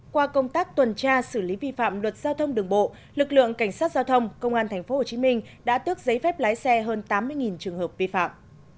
qua công tác tuần tra xử lý vi phạm luật giao thông đường bộ lực lượng cảnh sát giao thông công an tp hcm đã tước giấy phép lái xe hơn tám mươi trường hợp vi phạm